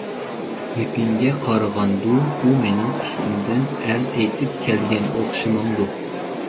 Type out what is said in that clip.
گېپىڭگە قارىغاندۇ ئۇ مېنىڭ ئۈستۈمدىن ئەرز ئېيتىپ كەلگەن ئوخشىمامدۇ؟